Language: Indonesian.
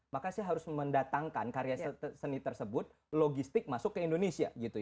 maka saya harus mendatangkan karya seni tersebut logistik masuk ke indonesia